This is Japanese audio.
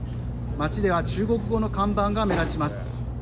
街では中国語の看板が目立ちます。